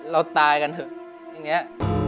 เราตายกันเถอะอย่างนี้